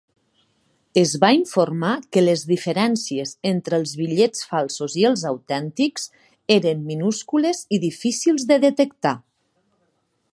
Es va informar que les diferències entre els bitllets falsos i els autèntics eren minúscules i difícils de detectar.